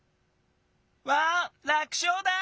わあ楽しょうだ！